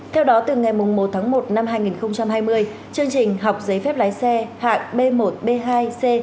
theo đó từ ngày một tháng một năm hai nghìn hai mươi chương trình học giấy phép lái xe hạng b một b hai c